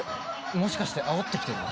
もしかしてあおってきてんの？